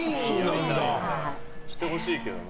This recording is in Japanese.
してほしいけどな。